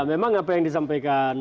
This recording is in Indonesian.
memang apa yang disampaikan